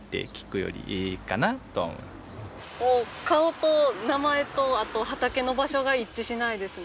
もう顔と名前とあと畑の場所が一致しないです。